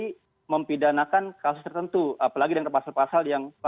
kita harus berhati hati karena kebencian ini bisa dikontrol dan memperkenalkan kebencian yang kemudian